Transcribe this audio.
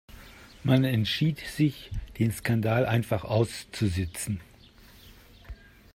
Man entschied sich, den Skandal einfach auszusitzen.